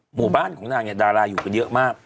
หมู่บ้านของนางเนี่ยดาราอยู่กันเยอะมาก